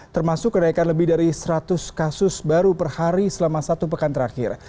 termasuk kenaikan lebih dari seratus kasus baru per hari selama satu pekan terakhir